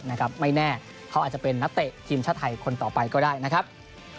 หนึ่งนั้นก็มีเทียดเทพโวินีโอไทยด้วย